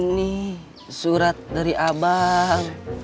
nih surat dari abang